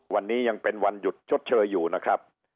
วันนี้ยังเป็นวันหยุดชดเชยอยู่นะครับ